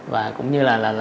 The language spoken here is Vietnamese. và cũng như là